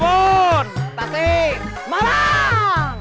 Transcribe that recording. jom semuanya semuanya